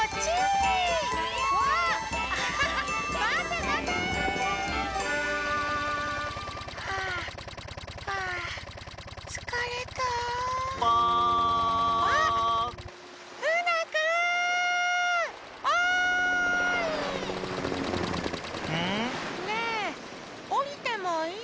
ねえおりてもいい？